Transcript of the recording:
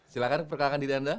silahkan perkenalkan diri anda